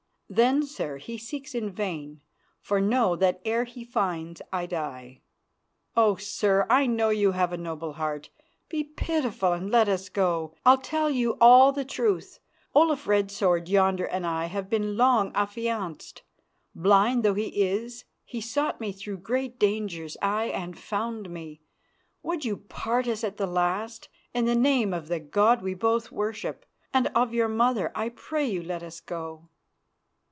"Then, sir, he seeks in vain, for know that ere he finds I die. Oh! sir, I know you have a noble heart; be pitiful and let us go. I'll tell you all the truth. Olaf Red Sword yonder and I have long been affianced. Blind though he is, he sought me through great dangers, aye, and found me. Would you part us at the last? In the name of the God we both worship, and of your mother, I pray you let us go."